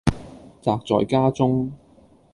宅在家中